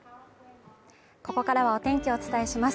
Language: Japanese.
ここからはお天気をお伝えします。